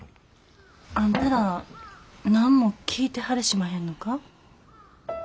あんたら何も聞いてはれしまへんのか？